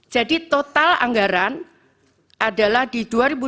total anggaran adalah di dua ribu dua puluh